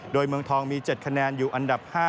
โดยเมืองทองมี๗คะแนนอยู่อันดับ๕